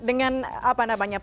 pembiayaan campaign yang berhasil